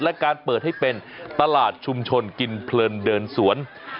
และการเปิดให้เป็นตลาดชุมชนกินเพลินเดินสวน